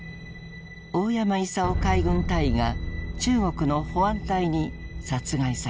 大山勇夫海軍大尉が中国の保安隊に殺害された。